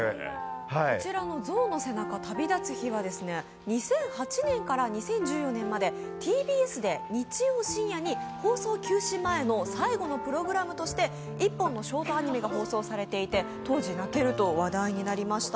こちらの「象の背中−旅立つ日−」は、２００８年から２０１４年までＴＢＳで日曜深夜に放送休止前の最後のプログラムとして１本のショートアニメが放送されていて、当時、泣けると話題になりました。